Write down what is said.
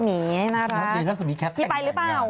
พี่ไปรึเปล่า